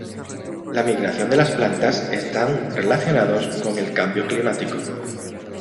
La migración de las plantas están relacionados con el cambio climático.